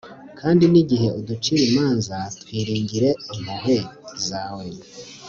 kandi n'igihe uducira imanza twiringire impuhwe zawe